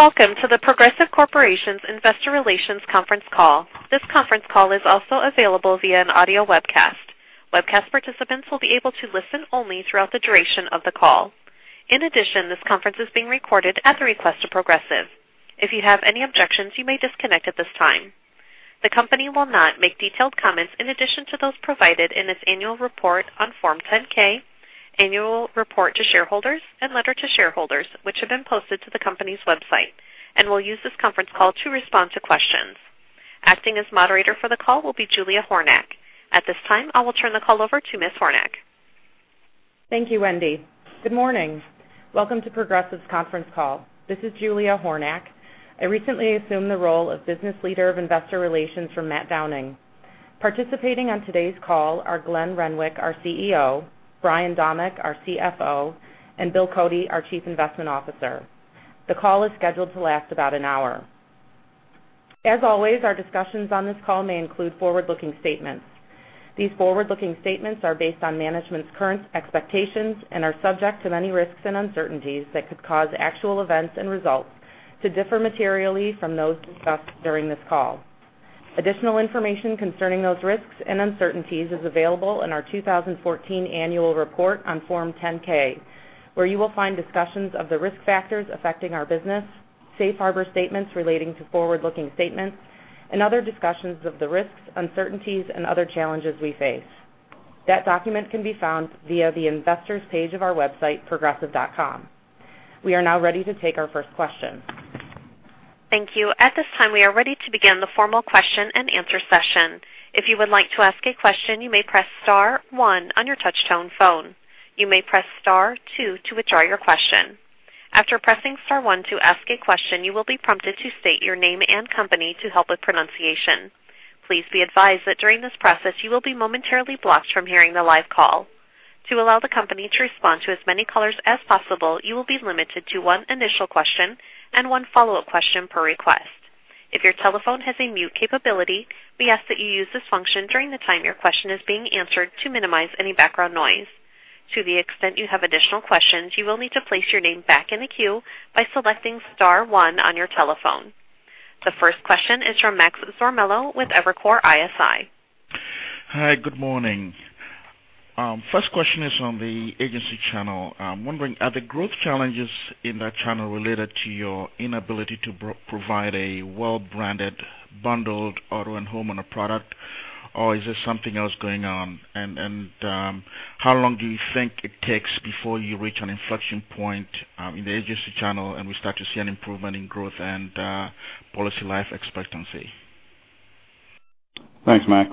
Welcome to The Progressive Corporation's Investor Relations conference call. This conference call is also available via an audio webcast. Webcast participants will be able to listen only throughout the duration of the call. In addition, this conference is being recorded at the request of Progressive. If you have any objections, you may disconnect at this time. The company will not make detailed comments in addition to those provided in its annual report on Form 10-K, annual report to shareholders, and letter to shareholders, which have been posted to the company's website, and will use this conference call to respond to questions. Acting as moderator for the call will be Julia Hornack. At this time, I will turn the call over to Ms. Hornack. Thank you, Wendy. Good morning. Welcome to Progressive's conference call. This is Julia Hornack. I recently assumed the role of Business Leader of Investor Relations from Matt Downing. Participating on today's call are Glenn Renwick, our CEO, Brian Domeck, our CFO, and Bill Cody, our Chief Investment Officer. The call is scheduled to last about an hour. As always, our discussions on this call may include forward-looking statements. These forward-looking statements are based on management's current expectations and are subject to many risks and uncertainties that could cause actual events and results to differ materially from those discussed during this call. Additional information concerning those risks and uncertainties is available in our 2014 annual report on Form 10-K, where you will find discussions of the risk factors affecting our business, safe harbor statements relating to forward-looking statements, and other discussions of the risks, uncertainties, and other challenges we face. That document can be found via the investors page of our website, progressive.com. We are now ready to take our first question. Thank you. At this time, we are ready to begin the formal question and answer session. If you would like to ask a question, you may press star one on your touchtone phone. You may press star two to withdraw your question. After pressing star one to ask a question, you will be prompted to state your name and company to help with pronunciation. Please be advised that during this process, you will be momentarily blocked from hearing the live call. To allow the company to respond to as many callers as possible, you will be limited to one initial question and one follow-up question per request. If your telephone has a mute capability, we ask that you use this function during the time your question is being answered to minimize any background noise. To the extent you have additional questions, you will need to place your name back in the queue by selecting star one on your telephone. The first question is from Max Cormillo with Evercore ISI. Hi, good morning. First question is on the agency channel. I'm wondering, are the growth challenges in that channel related to your inability to provide a well-branded, bundled auto and homeowner product, or is there something else going on? How long do you think it takes before you reach an inflection point in the agency channel and we start to see an improvement in growth and policy life expectancy? Thanks, Max.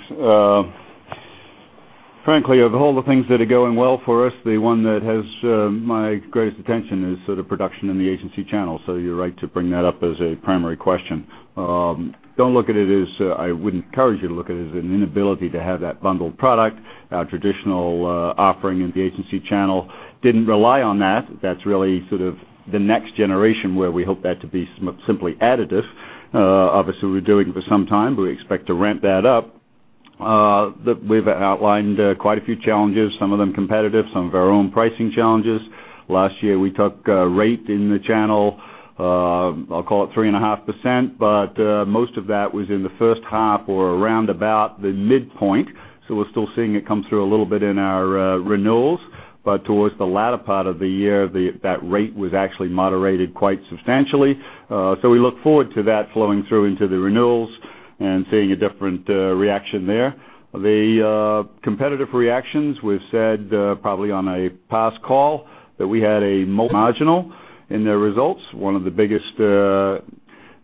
Frankly, of all the things that are going well for us, the one that has my greatest attention is sort of production in the agency channel. You're right to bring that up as a primary question. I wouldn't encourage you to look at it as an inability to have that bundled product. Our traditional offering in the agency channel didn't rely on that. That's really sort of the next generation where we hope that to be simply additive. Obviously, we're doing it for some time. We expect to ramp that up. We've outlined quite a few challenges, some of them competitive, some of our own pricing challenges. Last year, we took rate in the channel, I'll call it 3.5%, but most of that was in the first half or around about the midpoint. We're still seeing it come through a little bit in our renewals. Towards the latter part of the year, that rate was actually moderated quite substantially. We look forward to that flowing through into the renewals and seeing a different reaction there. The competitive reactions, we've said probably on a past call that we had a marginal in their results. One of the biggest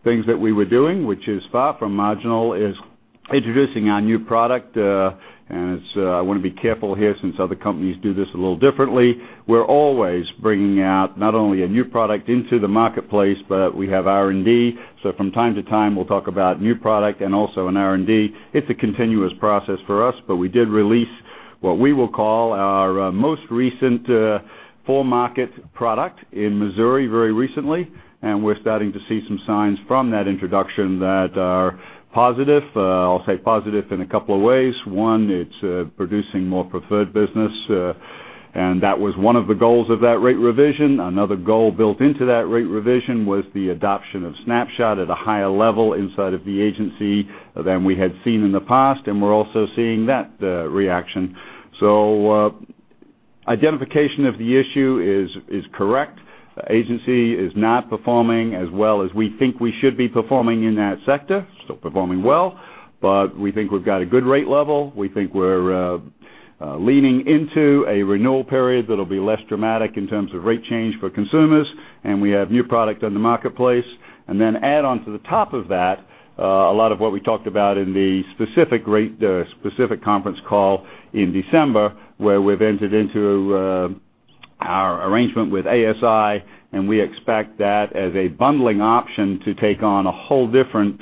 things that we were doing, which is far from marginal, is introducing our new product. positive. I'll say positive in a couple of ways. One, it's producing more preferred business. That was one of the goals of that rate revision. Another goal built into that rate revision was the adoption of Snapshot at a higher level inside of the agency than we had seen in the past. We're also seeing that reaction. Identification of the issue is correct. Agency is not performing as well as we think we should be performing in that sector. Still performing well. We think we've got a good rate level. We think we're leaning into a renewal period that'll be less dramatic in terms of rate change for consumers. We have new product in the marketplace. Add onto the top of that a lot of what we talked about in the specific conference call in December, where we've entered into our arrangement with ASI. We expect that as a bundling option to take on a whole different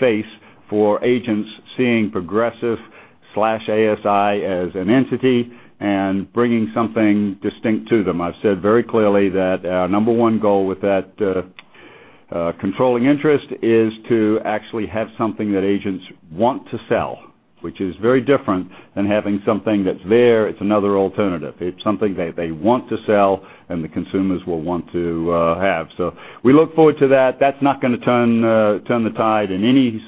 face for agents seeing Progressive/ASI as an entity. Bringing something distinct to them. I've said very clearly that our number one goal with that controlling interest is to actually have something that agents want to sell which is very different than having something that's there. It's another alternative. It's something that they want to sell and the consumers will want to have. We look forward to that. That's not going to turn the tide in any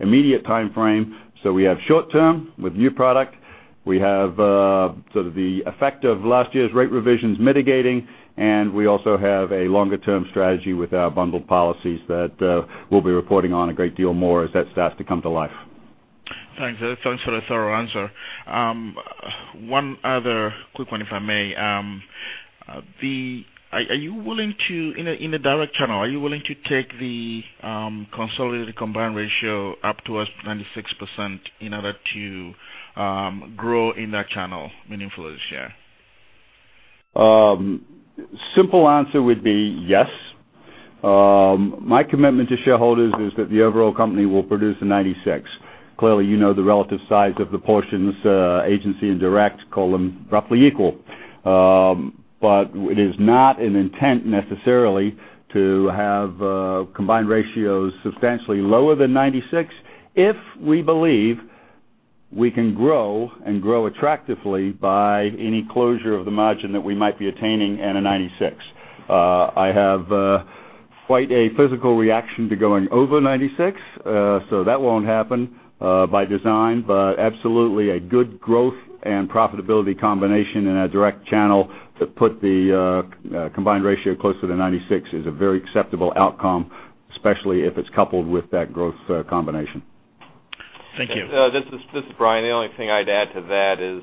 immediate timeframe. We have short term with new product. We have the effect of last year's rate revisions mitigating. We also have a longer-term strategy with our bundled policies that we'll be reporting on a great deal more as that starts to come to life. Thanks. Thanks for the thorough answer. One other quick one, if I may. In the direct channel, are you willing to take the consolidated combined ratio up towards 96% in order to grow in that channel meaningfully this year? Simple answer would be yes. My commitment to shareholders is that the overall company will produce a 96%. Clearly, you know the relative size of the portions, agency and direct, call them roughly equal. It is not an intent necessarily to have combined ratios substantially lower than 96% if we believe we can grow and grow attractively by any closure of the margin that we might be attaining at a 96%. I have quite a physical reaction to going over 96%, so that won't happen by design. Absolutely a good growth and profitability combination in our direct channel to put the combined ratio closer to 96% is a very acceptable outcome, especially if it's coupled with that growth combination. Thank you. This is Brian. The only thing I'd add to that is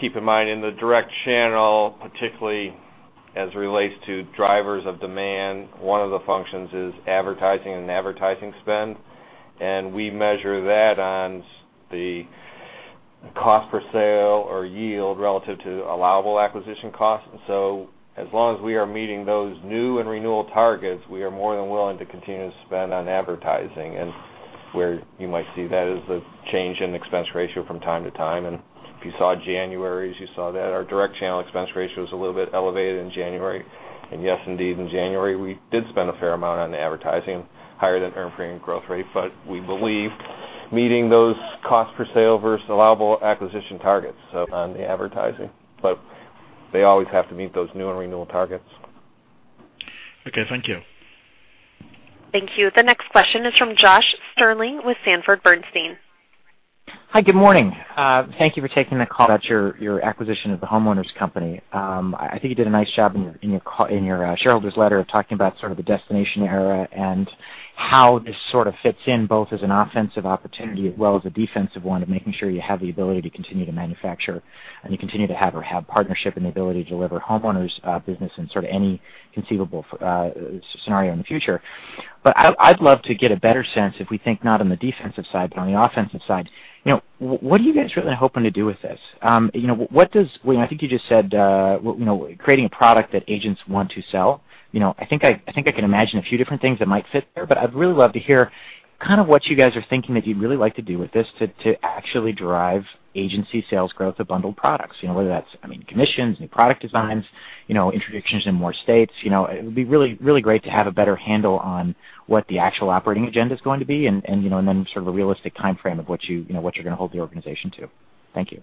keep in mind, in the direct channel, particularly as it relates to drivers of demand, one of the functions is advertising and advertising spend. We measure that on the cost per sale or yield relative to allowable acquisition costs. As long as we are meeting those new and renewal targets, we are more than willing to continue to spend on advertising. Where you might see that is the change in expense ratio from time to time. If you saw January, you saw that our direct channel expense ratio was a little bit elevated in January. Yes, indeed, in January, we did spend a fair amount on advertising higher than earned premium growth rate. We believe meeting those costs per sale versus allowable acquisition targets on the advertising. They always have to meet those new and renewal targets. Okay. Thank you. Thank you. The next question is from Josh Stirling with Sanford Bernstein. Hi, good morning. Thank you for taking the call about your acquisition of the homeowners company. I think you did a nice job in your shareholder's letter talking about sort of the destination era and how this sort of fits in both as an offensive opportunity as well as a defensive one of making sure you have the ability to continue to manufacture and you continue to have or have partnership and the ability to deliver homeowners business in any conceivable scenario in the future. I'd love to get a better sense if we think not on the defensive side, but on the offensive side. What are you guys really hoping to do with this? I think you just said creating a product that agents want to sell. I think I can imagine a few different things that might fit there. I'd really love to hear what you guys are thinking that you'd really like to do with this to actually drive agency sales growth of bundled products, whether that's commissions, new product designs, introductions in more states. It would be really great to have a better handle on what the actual operating agenda is going to be and then sort of a realistic timeframe of what you're going to hold the organization to. Thank you.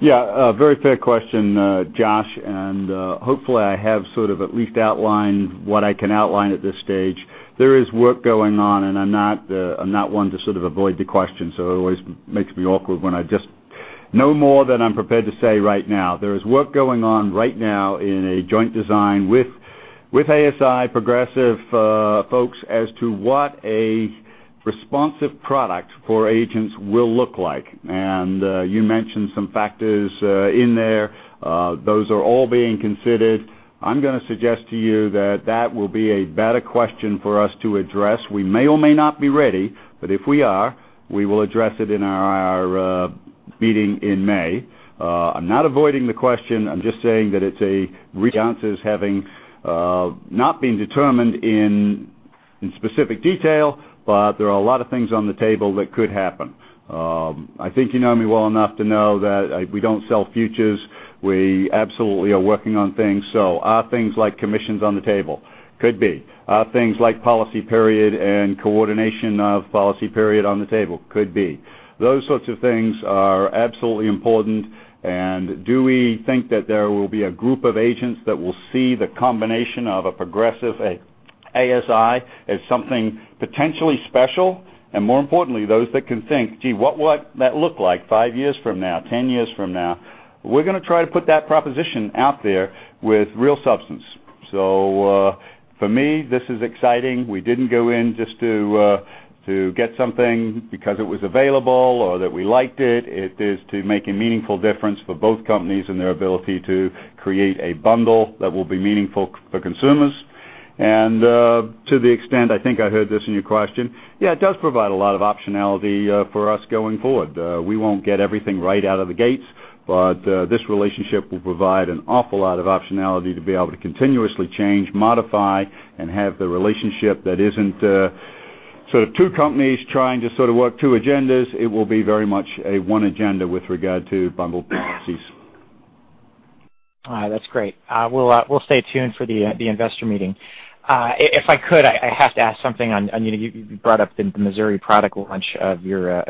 Yeah, a very fair question, Josh, and hopefully I have sort of at least outlined what I can outline at this stage. There is work going on. I'm not one to sort of avoid the question, it always makes me awkward when I just know more than I'm prepared to say right now. There is work going on right now in a joint design with ASI Progressive folks as to what a responsive product for agents will look like. You mentioned some factors in there. Those are all being considered. I'm going to suggest to you that that will be a better question for us to address. We may or may not be ready, but if we are, we will address it in our meeting in May. I'm not avoiding the question. I'm just saying that it's an answer's having not been determined in specific detail, but there are a lot of things on the table that could happen. I think you know me well enough to know that we don't sell futures. We absolutely are working on things. Are things like commissions on the table? Could be. Are things like policy period and coordination of policy period on the table? Could be. Those sorts of things are absolutely important. Do we think that there will be a group of agents that will see the combination of a Progressive, ASI as something potentially special? More importantly, those that can think, "Gee, what would that look like five years from now, 10 years from now?" We're going to try to put that proposition out there with real substance. For me, this is exciting. We didn't go in just to get something because it was available or that we liked it. It is to make a meaningful difference for both companies and their ability to create a bundle that will be meaningful for consumers. To the extent I think I heard this in your question, yeah, it does provide a lot of optionality for us going forward. We won't get everything right out of the gates, but this relationship will provide an awful lot of optionality to be able to continuously change, modify, and have the relationship that isn't sort of two companies trying to work two agendas. It will be very much a one agenda with regard to bundled policies. That's great. We'll stay tuned for the investor meeting. If I could, I have to ask something. You brought up the Missouri product launch of your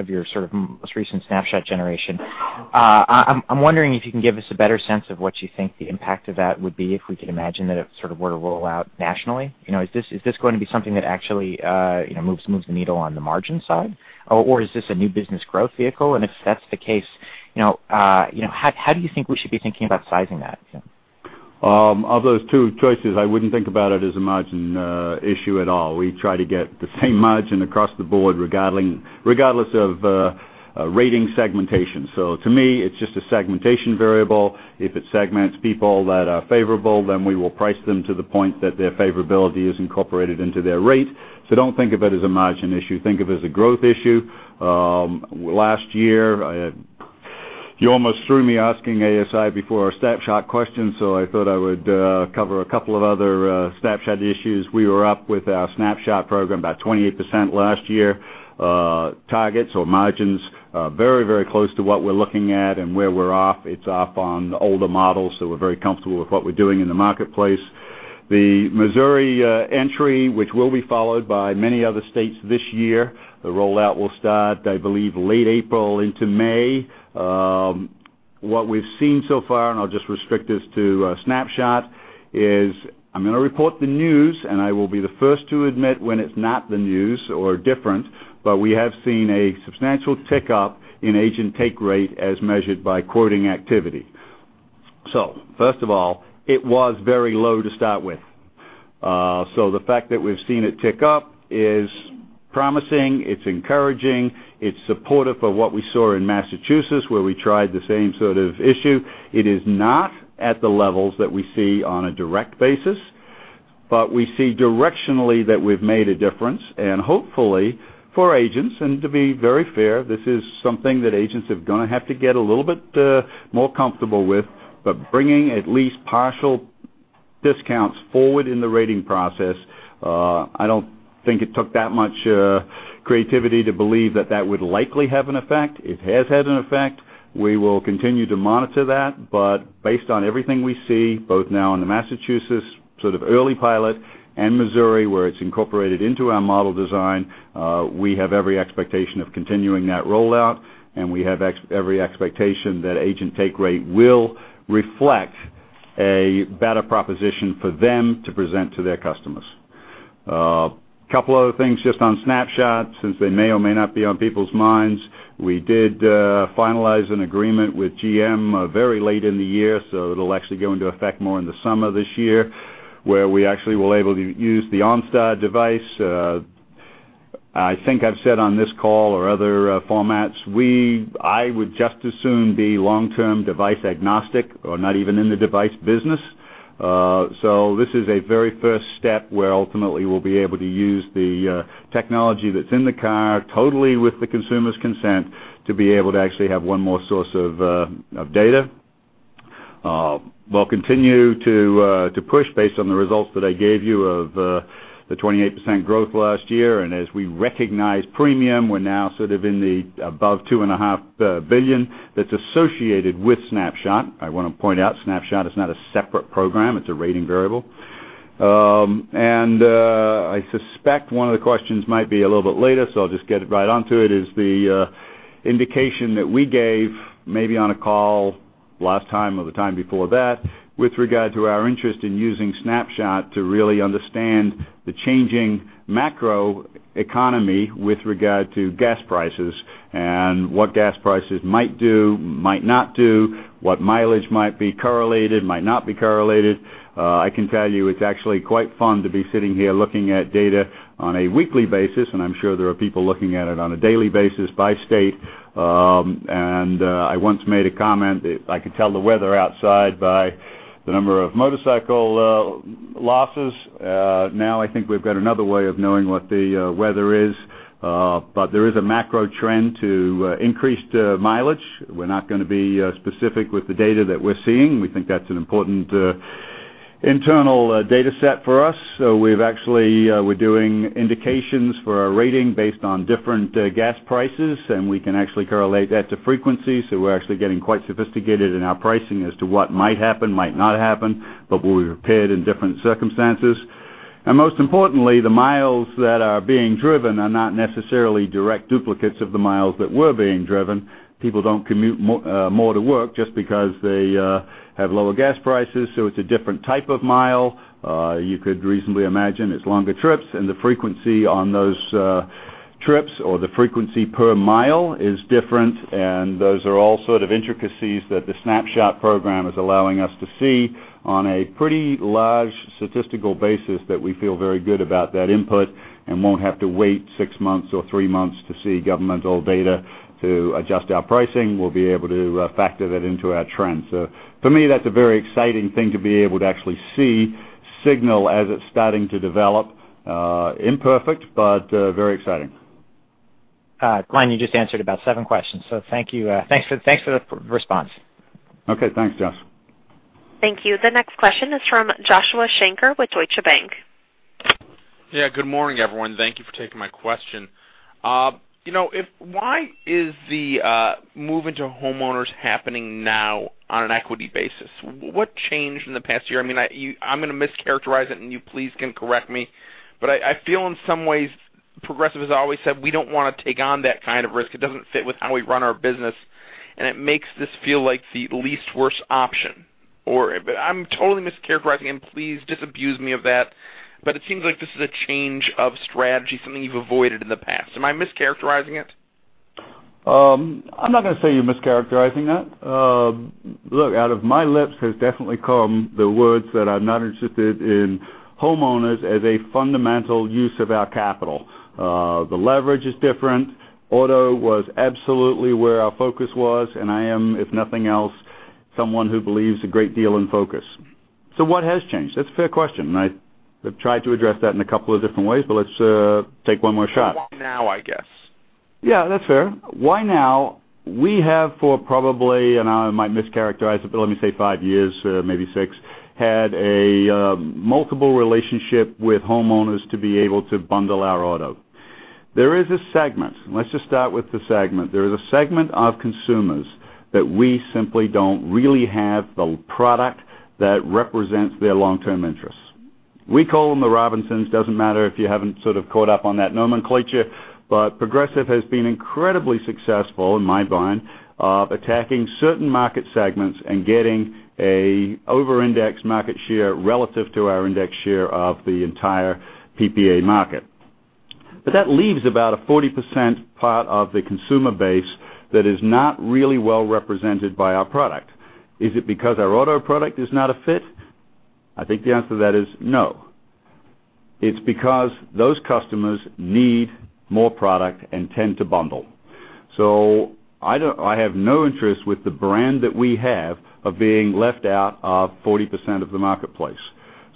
most recent Snapshot generation. I'm wondering if you can give us a better sense of what you think the impact of that would be if we could imagine that it were to roll out nationally. Is this going to be something that actually moves the needle on the margin side? Is this a new business growth vehicle? If that's the case, how do you think we should be thinking about sizing that? Of those two choices, I wouldn't think about it as a margin issue at all. We try to get the same margin across the board regardless of rating segmentation. To me, it's just a segmentation variable. If it segments people that are favorable, then we will price them to the point that their favorability is incorporated into their rate. Don't think of it as a margin issue, think of it as a growth issue. Last year, you almost threw me asking ASI before a Snapshot question, so I thought I would cover a couple of other Snapshot issues. We were up with our Snapshot program about 28% last year. Targets or margins are very, very close to what we're looking at and where we're off. It's off on the older models. We're very comfortable with what we're doing in the marketplace. The Missouri entry, which will be followed by many other states this year, the rollout will start, I believe, late April into May. What we've seen so far, and I'll just restrict this to Snapshot, is I'm going to report the news, and I will be the first to admit when it's not the news or different. We have seen a substantial tick up in agent take rate as measured by quoting activity. First of all, it was very low to start with. The fact that we've seen it tick up is promising, it's encouraging, it's supportive of what we saw in Massachusetts, where we tried the same sort of issue. It is not at the levels that we see on a direct basis. We see directionally that we've made a difference and hopefully for agents, and to be very fair, this is something that agents are going to have to get a little bit more comfortable with, bringing at least partial discounts forward in the rating process. I don't think it took that much creativity to believe that that would likely have an effect. It has had an effect. We will continue to monitor that. Based on everything we see, both now in the Massachusetts early pilot and Missouri, where it's incorporated into our model design, we have every expectation of continuing that rollout. We have every expectation that agent take rate will reflect a better proposition for them to present to their customers. A couple other things just on Snapshot, since they may or may not be on people's minds. We did finalize an agreement with GM very late in the year. It'll actually go into effect more in the summer of this year, where we actually will able to use the OnStar device. I think I've said on this call or other formats, I would just as soon be long-term device agnostic or not even in the device business. This is a very first step where ultimately we'll be able to use the technology that's in the car totally with the consumer's consent to be able to actually have one more source of data. We'll continue to push based on the results that I gave you of the 28% growth last year. As we recognize premium, we're now in the above $2.5 billion that's associated with Snapshot. I want to point out, Snapshot is not a separate program, it's a rating variable. I suspect one of the questions might be a little bit later, so I'll just get right onto it, is the indication that we gave maybe on a call last time or the time before that with regard to our interest in using Snapshot to really understand the changing macro economy with regard to gas prices and what gas prices might do, might not do, what mileage might be correlated, might not be correlated. I can tell you it's actually quite fun to be sitting here looking at data on a weekly basis, and I'm sure there are people looking at it on a daily basis by state. I once made a comment that I could tell the weather outside by the number of motorcycle losses. Now I think we've got another way of knowing what the weather is. There is a macro trend to increased mileage. We're not going to be specific with the data that we're seeing. We think that's an important internal data set for us. We're doing indications for our rating based on different gas prices, and we can actually correlate that to frequency. We're actually getting quite sophisticated in our pricing as to what might happen, might not happen, but we're prepared in different circumstances. Most importantly, the miles that are being driven are not necessarily direct duplicates of the miles that were being driven. People don't commute more to work just because they have lower gas prices. It's a different type of mile. You could reasonably imagine it's longer trips and the frequency on those trips or the frequency per mile is different. Those are all sort of intricacies that the Snapshot program is allowing us to see on a pretty large statistical basis that we feel very good about that input and won't have to wait six months or three months to see governmental data to adjust our pricing. We'll be able to factor that into our trends. For me, that's a very exciting thing to be able to actually see signal as it's starting to develop. Imperfect, but very exciting. Glenn, you just answered about seven questions, thank you. Thanks for the response. Okay. Thanks, Josh. Thank you. The next question is from Joshua Shanker with Deutsche Bank. Yeah. Good morning, everyone. Thank you for taking my question. Why is the move into homeowners happening now on an equity basis? What changed in the past year? I'm going to mischaracterize it, and you please can correct me, but I feel in some ways Progressive has always said, "We don't want to take on that kind of risk. It doesn't fit with how we run our business." It makes this feel like the least worst option. I'm totally mischaracterizing, and please disabuse me of that. It seems like this is a change of strategy, something you've avoided in the past. Am I mischaracterizing it? I'm not going to say you're mischaracterizing that. Look, out of my lips has definitely come the words that I'm not interested in homeowners as a fundamental use of our capital. The leverage is different. Auto was absolutely where our focus was, and I am, if nothing else, someone who believes a great deal in focus. What has changed? That's a fair question, and I've tried to address that in a couple of different ways, but let's take one more shot. Why now, I guess? Yeah, that's fair. Why now? We have for probably, and I might mischaracterize it, but let me say five years, maybe six, had a multiple relationship with homeowners to be able to bundle our auto. There is a segment, let's just start with the segment. There is a segment of consumers that we simply don't really have the product that represents their long-term interests. We call them the Robinsons. It doesn't matter if you haven't sort of caught up on that nomenclature, Progressive has been incredibly successful, in my mind, of attacking certain market segments and getting an over-index market share relative to our index share of the entire PPA market. That leaves about a 40% part of the consumer base that is not really well represented by our product. Is it because our auto product is not a fit? I think the answer to that is no. It's because those customers need more product and tend to bundle. I have no interest with the brand that we have of being left out of 40% of the marketplace.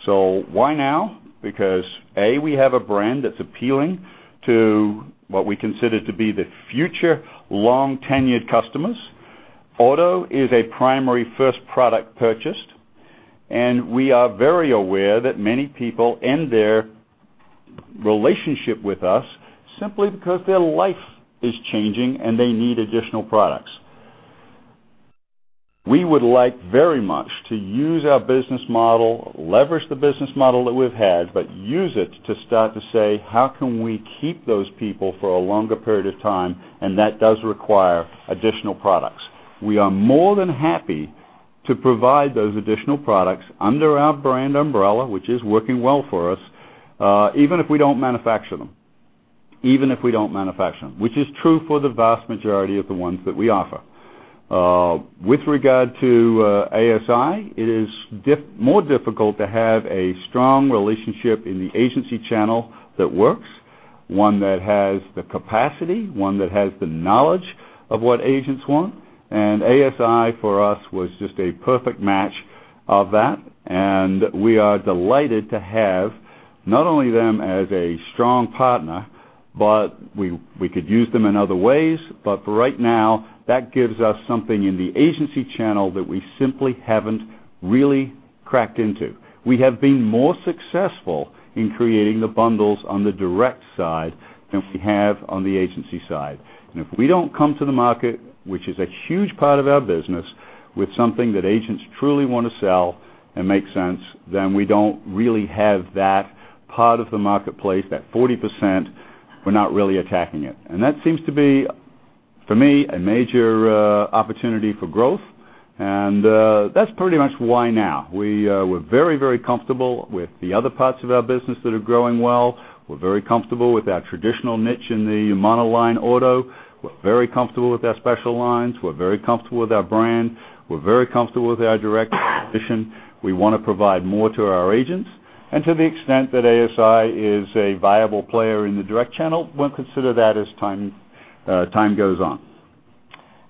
Why now? Because, A, we have a brand that's appealing to what we consider to be the future long-tenured customers. Auto is a primary first product purchased, and we are very aware that many people end their relationship with us simply because their life is changing, and they need additional products. We would like very much to use our business model, leverage the business model that we've had, use it to start to say, "How can we keep those people for a longer period of time?" That does require additional products. We are more than happy to provide those additional products under our brand umbrella, which is working well for us, even if we don't manufacture them. Which is true for the vast majority of the ones that we offer. With regard to ASI, it is more difficult to have a strong relationship in the agency channel that works, one that has the capacity, one that has the knowledge of what agents want. ASI for us, was just a perfect match of that, and we are delighted to have not only them as a strong partner, we could use them in other ways. For right now, that gives us something in the agency channel that we simply haven't really cracked into. We have been more successful in creating the bundles on the direct side than we have on the agency side. If we don't come to the market, which is a huge part of our business, with something that agents truly want to sell and make sense, then we don't really have that part of the marketplace, that 40%, we're not really attacking it. That seems to be, for me, a major opportunity for growth. That's pretty much why now. We're very comfortable with the other parts of our business that are growing well. We're very comfortable with our traditional niche in the monoline auto. We're very comfortable with our special lines. We're very comfortable with our brand. We're very comfortable with our direct position. We want to provide more to our agents. To the extent that ASI is a viable player in the direct channel, we'll consider that as time goes on.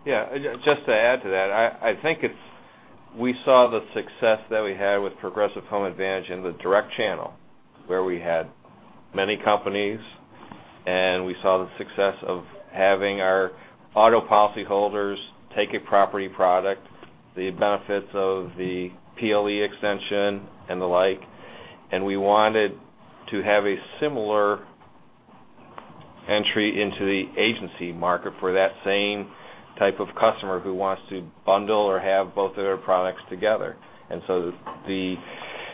Yeah. Just to add to that, I think we saw the success that we had with Progressive Home Advantage in the direct channel, where we had many companies, we saw the success of having our auto policyholders take a property product, the benefits of the PLE extension, and the like, we wanted to have a similar entry into the agency market for that same type of customer who wants to bundle or have both of their products together. The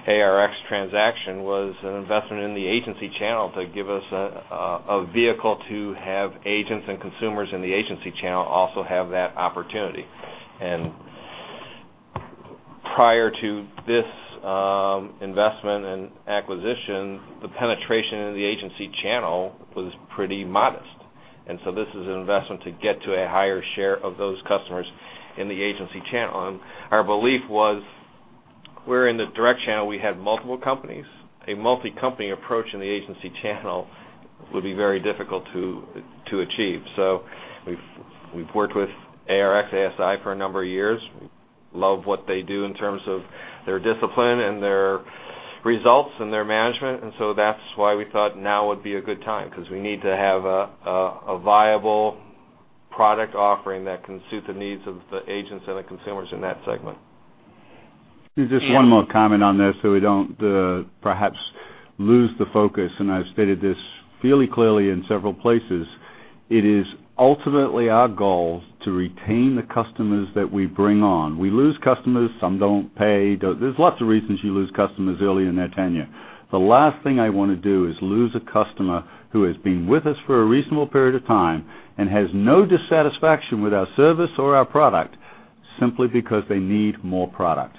ARX transaction was an investment in the agency channel to give us a vehicle to have agents and consumers in the agency channel also have that opportunity. Prior to this investment and acquisition, the penetration in the agency channel was pretty modest. This is an investment to get to a higher share of those customers in the agency channel. Our belief was, we're in the direct channel, we have multiple companies. A multi-company approach in the agency channel would be very difficult to achieve. We've worked with ARX, ASI for a number of years. Love what they do in terms of their discipline and their results and their management. That's why we thought now would be a good time, because we need to have a viable product offering that can suit the needs of the agents and the consumers in that segment. Just one more comment on this so we don't perhaps lose the focus, I've stated this fairly clearly in several places. It is ultimately our goal to retain the customers that we bring on. We lose customers, some don't pay. There's lots of reasons you lose customers early in their tenure. The last thing I want to do is lose a customer who has been with us for a reasonable period of time and has no dissatisfaction with our service or our product simply because they need more product.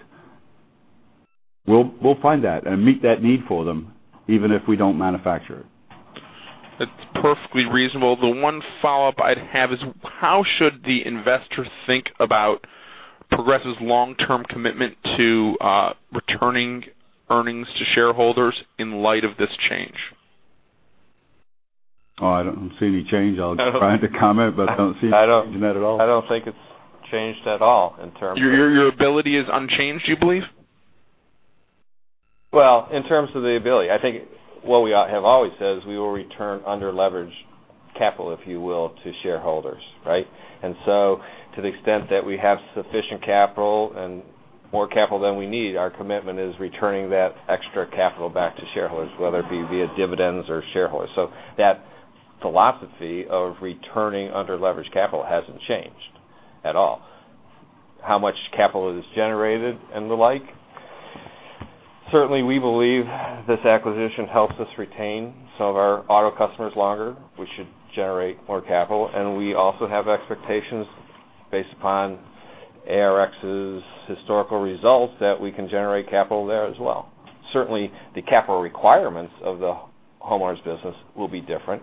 We'll find that and meet that need for them, even if we don't manufacture it. That's perfectly reasonable. The one follow-up I'd have is how should the investor think about Progressive's long-term commitment to returning earnings to shareholders in light of this change? Oh, I don't see any change. I'll try to comment, I don't see any change in that at all. I don't think it's changed at all. Your ability is unchanged, you believe? In terms of the ability, I think what we have always said is we will return under-leveraged capital, if you will, to shareholders, right? To the extent that we have sufficient capital and more capital than we need, our commitment is returning that extra capital back to shareholders, whether it be via dividends or shareholders. That philosophy of returning under-leveraged capital hasn't changed at all. How much capital is generated and the like? Certainly, we believe this acquisition helps us retain some of our auto customers longer, we should generate more capital, and we also have expectations based upon ARX's historical results that we can generate capital there as well. Certainly, the capital requirements of the homeowners business will be different.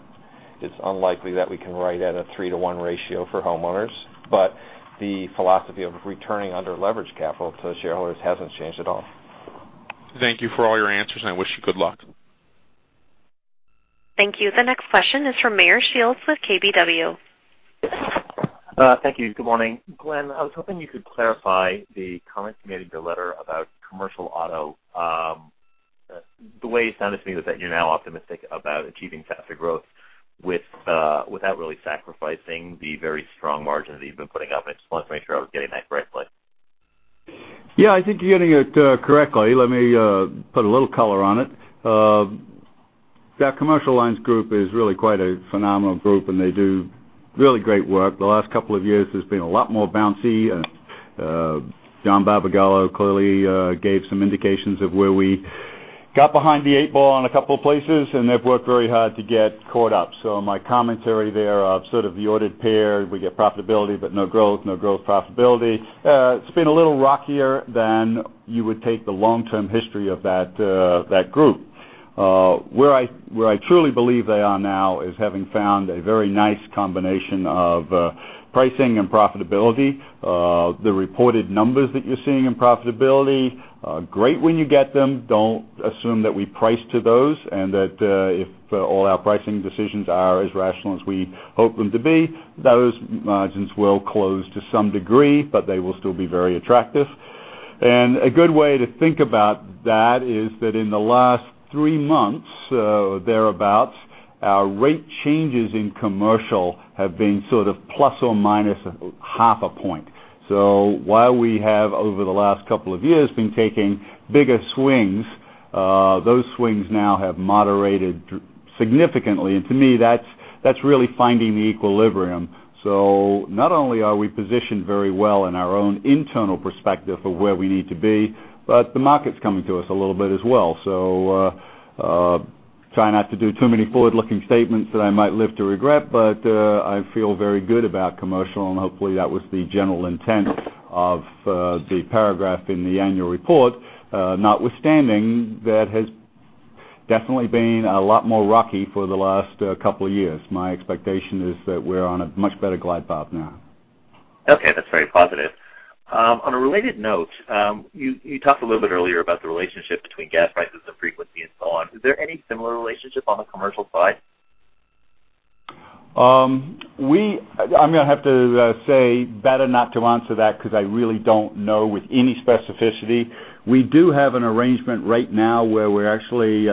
It's unlikely that we can write at a three to one ratio for homeowners, but the philosophy of returning under-leveraged capital to the shareholders hasn't changed at all. Thank you for all your answers, and I wish you good luck. Thank you. The next question is from Meyer Shields with KBW. Thank you. Good morning. Glenn, I was hoping you could clarify the comment you made in your letter about commercial auto. The way it sounded to me was that you're now optimistic about achieving faster growth without really sacrificing the very strong margins that you've been putting up. I just wanted to make sure I was getting that correctly. Yeah, I think you're getting it correctly. Let me put a little color on it. That commercial lines group is really quite a phenomenal group, and they do really great work. The last couple of years, there's been a lot more bouncy, and John Barbagallo clearly gave some indications of where we got behind the eight ball in a couple of places, and they've worked very hard to get caught up. My commentary there of sort of the ordered pair, we get profitability but no growth, no growth profitability. It's been a little rockier than you would take the long-term history of that group. Where I truly believe they are now is having found a very nice combination of pricing and profitability. The reported numbers that you're seeing in profitability are great when you get them. Don't assume that we price to those, and that if all our pricing decisions are as rational as we hope them to be, those margins will close to some degree, but they will still be very attractive. A good way to think about that is that in the last three months or thereabout, our rate changes in commercial have been sort of plus or minus half a point. While we have over the last couple of years been taking bigger swings, those swings now have moderated significantly, and to me, that's really finding the equilibrium. Not only are we positioned very well in our own internal perspective of where we need to be, but the market's coming to us a little bit as well. Try not to do too many forward-looking statements that I might live to regret, but I feel very good about commercial, and hopefully, that was the general intent of the paragraph in the annual report notwithstanding that has definitely been a lot more rocky for the last couple of years. My expectation is that we're on a much better glide path now. Okay. That's very positive. On a related note, you talked a little bit earlier about the relationship between gas prices and frequency and so on. Is there any similar relationship on the commercial side? I'm going to have to say better not to answer that because I really don't know with any specificity. We do have an arrangement right now where we actually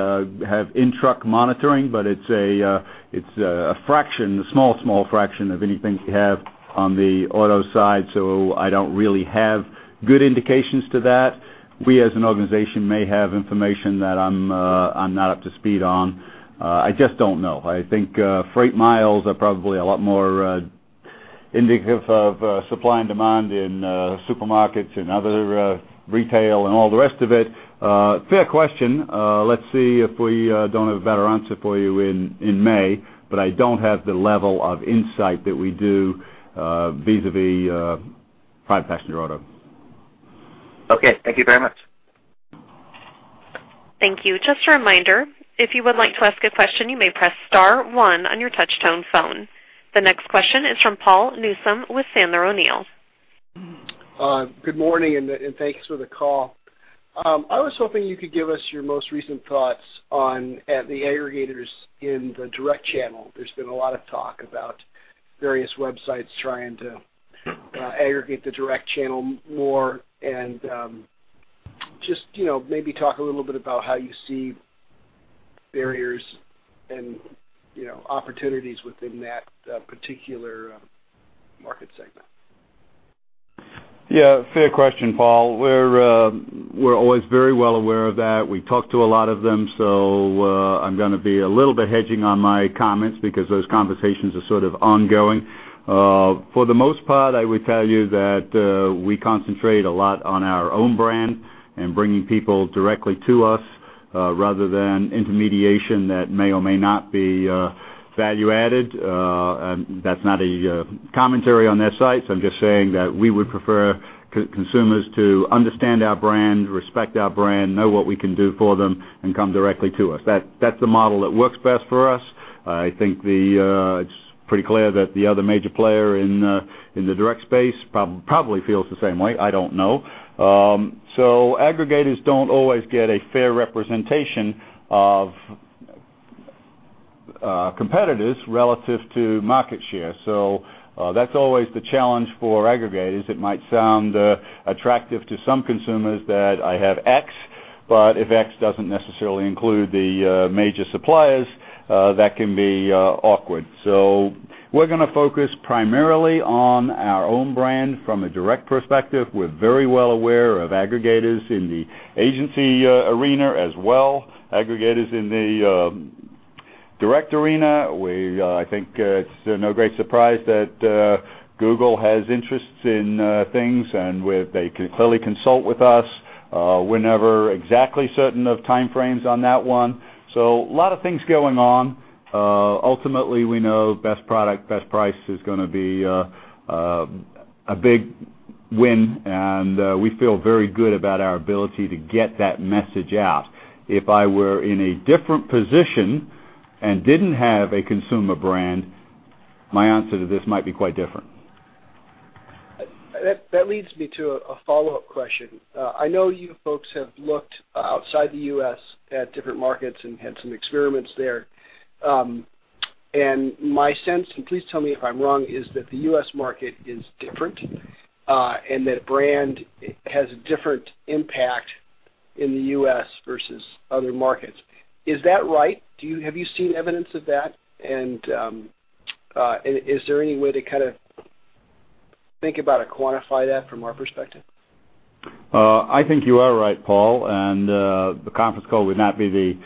have in-truck monitoring, but it's a fraction, a small fraction of anything we have on the auto side. I don't really have good indications to that. We, as an organization, may have information that I'm not up to speed on. I just don't know. I think freight miles are probably a lot more indicative of supply and demand in supermarkets and other retail and all the rest of it. Fair question. Let's see if we don't have a better answer for you in May, but I don't have the level of insight that we do vis-à-vis private passenger auto. Okay. Thank you very much. Thank you. Just a reminder, if you would like to ask a question, you may press star one on your touch-tone phone. The next question is from Paul Newsome with Sandler O'Neill. Good morning, and thanks for the call. I was hoping you could give us your most recent thoughts on the aggregators in the direct channel. There's been a lot of talk about various websites trying to aggregate the direct channel more. Just maybe talk a little bit about how you see barriers and opportunities within that particular market segment. Yeah, fair question, Paul. We're always very well aware of that. We've talked to a lot of them, so I'm going to be a little bit hedging on my comments because those conversations are sort of ongoing. For the most part, I would tell you that we concentrate a lot on our own brand and bringing people directly to us, rather than intermediation that may or may not be value added. That's not a commentary on their sites. I'm just saying that we would prefer consumers to understand our brand, respect our brand, know what we can do for them, and come directly to us. That's the model that works best for us. I think it's pretty clear that the other major player in the direct space probably feels the same way. I don't know. Aggregators don't always get a fair representation of competitors relative to market share. That's always the challenge for aggregators. It might sound attractive to some consumers that I have X, but if X doesn't necessarily include the major suppliers, that can be awkward. We're going to focus primarily on our own brand from a direct perspective. We're very well aware of aggregators in the agency arena as well, aggregators in the direct arena. I think it's no great surprise that Google has interests in things, and they clearly consult with us. We're never exactly certain of time frames on that one. A lot of things going on. Ultimately, we know best product, best price is going to be a big win, and we feel very good about our ability to get that message out. If I were in a different position and didn't have a consumer brand, my answer to this might be quite different. That leads me to a follow-up question. I know you folks have looked outside the U.S. at different markets and had some experiments there. My sense, and please tell me if I'm wrong, is that the U.S. market is different, and that brand has a different impact in the U.S. versus other markets. Is that right? Have you seen evidence of that, and is there any way to think about or quantify that from our perspective? I think you are right, Paul, the conference call would not be the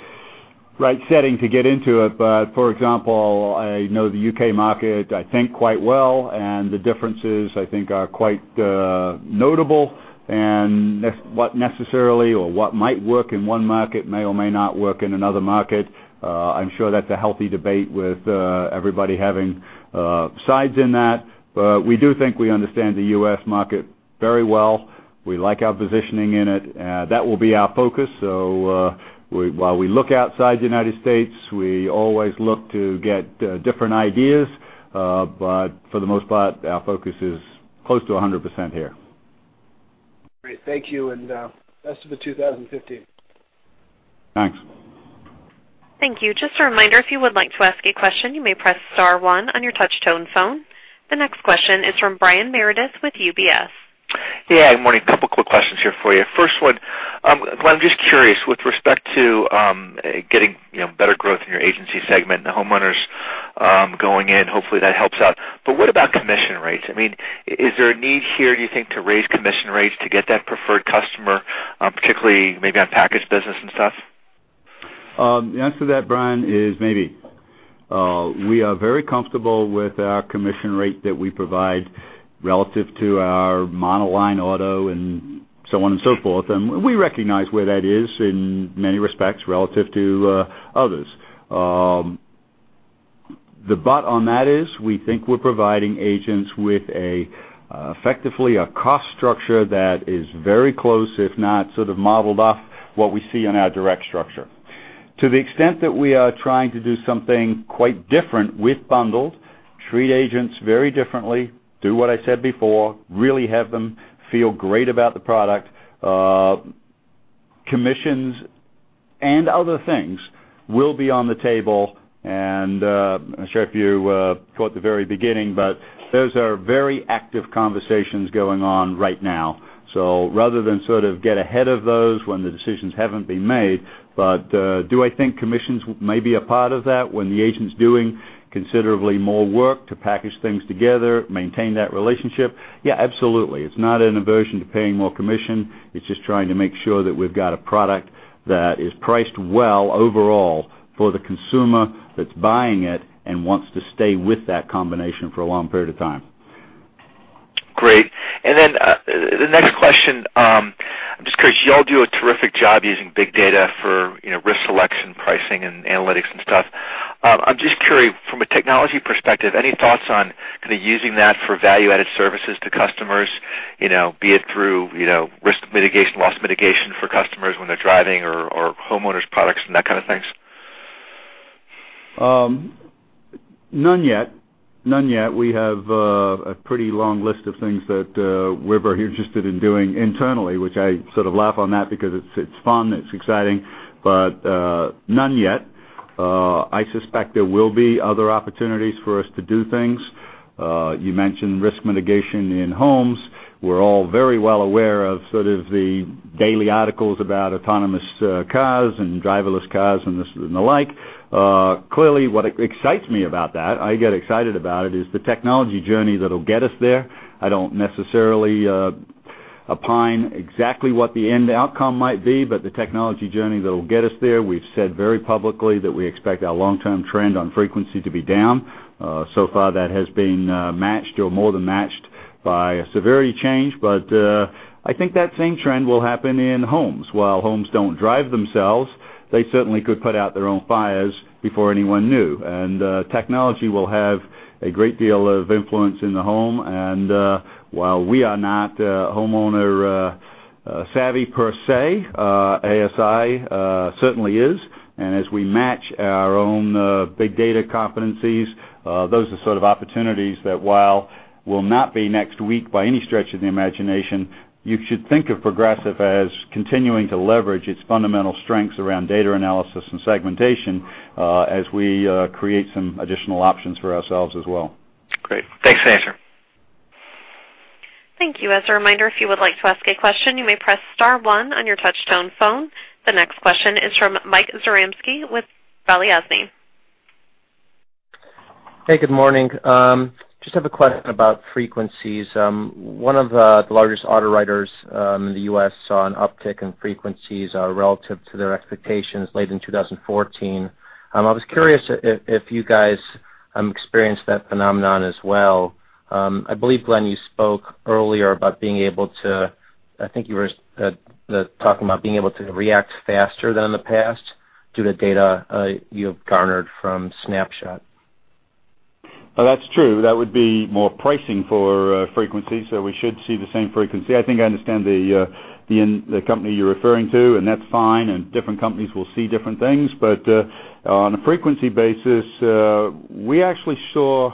right setting to get into it. For example, I know the U.K. market, I think, quite well, and the differences, I think, are quite notable. What necessarily or what might work in one market may or may not work in another market. I'm sure that's a healthy debate with everybody having sides in that. We do think we understand the U.S. market very well. We like our positioning in it. That will be our focus. While we look outside the United States, we always look to get different ideas. For the most part, our focus is close to 100% here. Great. Thank you. Best of the 2015. Thanks. Thank you. Just a reminder, if you would like to ask a question, you may press star one on your touch-tone phone. The next question is from Brian Meredith with UBS. Yeah. Good morning. A couple quick questions here for you. First one, Glenn, I'm just curious, with respect to getting better growth in your agency segment and the homeowners going in, hopefully, that helps out. What about commission rates? Is there a need here, you think, to raise commission rates to get that preferred customer, particularly maybe on package business and stuff? The answer to that, Brian, is maybe. We are very comfortable with our commission rate that we provide relative to our monoline auto and so on and so forth, and we recognize where that is in many respects relative to others. The but on that is we think we're providing agents with effectively a cost structure that is very close, if not sort of modeled off what we see in our direct structure. To the extent that we are trying to do something quite different with bundled, treat agents very differently, do what I said before, really have them feel great about the product. Commissions and other things will be on the table. I'm not sure if you caught the very beginning, but those are very active conversations going on right now. Rather than sort of get ahead of those when the decisions haven't been made. Do I think commissions may be a part of that when the agent's doing considerably more work to package things together, maintain that relationship? Yeah, absolutely. It's not an aversion to paying more commission. It's just trying to make sure that we've got a product that is priced well overall for the consumer that's buying it and wants to stay with that combination for a long period of time. Great. The next question, I'm just curious, you all do a terrific job using big data for risk selection, pricing, and analytics and stuff. I'm just curious, from a technology perspective, any thoughts on kind of using that for value-added services to customers, be it through risk mitigation, loss mitigation for customers when they're driving or homeowners' products and that kind of things? None yet. We have a pretty long list of things that we're very interested in doing internally, which I sort of laugh on that because it's fun, it's exciting, but none yet. I suspect there will be other opportunities for us to do things You mentioned risk mitigation in homes. We're all very well aware of sort of the daily articles about autonomous cars and driverless cars and the like. Clearly, what excites me about that, I get excited about it, is the technology journey that'll get us there. I don't necessarily opine exactly what the end outcome might be, but the technology journey that'll get us there. We've said very publicly that we expect our long-term trend on frequency to be down. Far that has been matched or more than matched by a severity change. I think that same trend will happen in homes. While homes don't drive themselves, they certainly could put out their own fires before anyone knew. Technology will have a great deal of influence in the home. While we are not homeowner savvy per se, ASI certainly is. As we match our own big data competencies, those are sort of opportunities that while will not be next week by any stretch of the imagination, you should think of Progressive as continuing to leverage its fundamental strengths around data analysis and segmentation as we create some additional options for ourselves as well. Great. Thanks, Andrew. Thank you. As a reminder, if you would like to ask a question, you may press star one on your touchtone phone. The next question is from Mike Zaremski with Balyasny. Hey, good morning. Just have a question about frequencies. One of the largest auto writers in the U.S. saw an uptick in frequencies relative to their expectations late in 2014. I was curious if you guys experienced that phenomenon as well. I believe, Glenn, you spoke earlier about being able to, I think you were talking about being able to react faster than in the past due to data you have garnered from Snapshot. That's true. That would be more pricing for frequency, so we should see the same frequency. I think I understand the company you're referring to, and that's fine, and different companies will see different things. On a frequency basis, we actually saw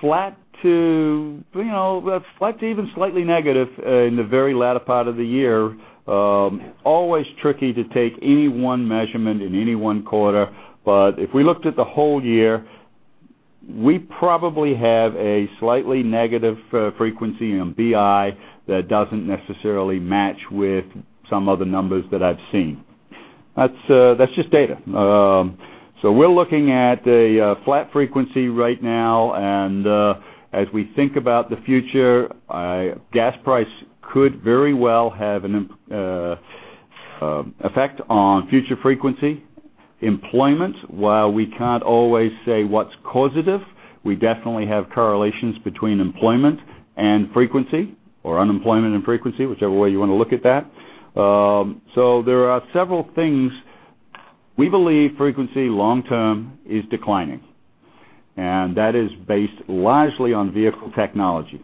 flat to even slightly negative in the very latter part of the year. Always tricky to take any one measurement in any one quarter. If we looked at the whole year, we probably have a slightly negative frequency in BI that doesn't necessarily match with some of the numbers that I've seen. That's just data. We're looking at a flat frequency right now, and as we think about the future, gas price could very well have an effect on future frequency. Employment, while we can't always say what's causative, we definitely have correlations between employment and frequency or unemployment and frequency, whichever way you want to look at that. There are several things. We believe frequency long term is declining, and that is based largely on vehicle technology.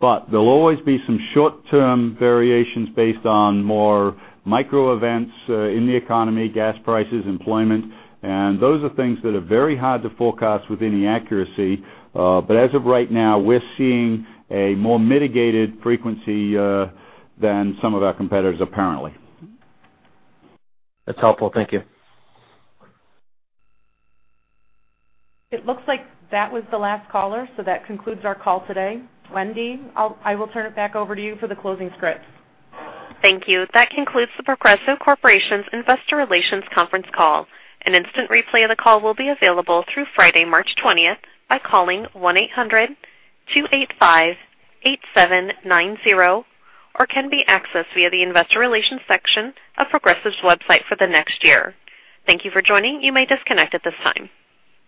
There'll always be some short-term variations based on more micro events in the economy, gas prices, employment, and those are things that are very hard to forecast with any accuracy. As of right now, we're seeing a more mitigated frequency than some of our competitors apparently. That's helpful. Thank you. It looks like that was the last caller, so that concludes our call today. Wendy, I will turn it back over to you for the closing script. Thank you. That concludes The Progressive Corporation's Investor Relations conference call. An instant replay of the call will be available through Friday, March 20th by calling 1-800-285-8790 or can be accessed via the investor relations section of Progressive's website for the next year. Thank you for joining. You may disconnect at this time.